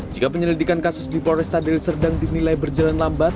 jika penyelidikan kasus di polres tandeli cerdang dinilai berjalan lambat